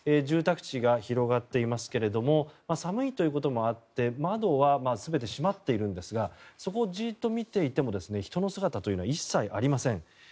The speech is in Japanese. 住宅地が広がっていますが寒いということもあって窓は全て閉まっているんですがそこをじっと見ていても人の姿というのは一切ありません。